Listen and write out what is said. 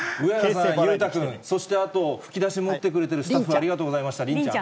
裕太君、そしてあと、吹き出し持ってくれてるスタッフ、ありがとうございました、りんちゃん？